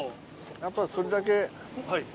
やっぱそれだけ。